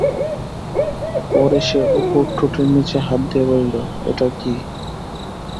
পরে সে অপুর ঠোঁটের নিচে হাত দিয়া বলিল, এটা কী?